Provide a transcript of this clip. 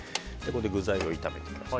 具材を炒めていきます。